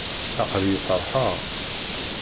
Aql-iyi feṛḥeɣ.